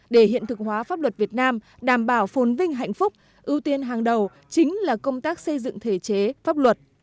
để hiện thực hóa pháp luật việt nam đảm bảo phồn vinh hạnh phúc ưu tiên hàng đầu chính là công tác xây dựng thể chế pháp luật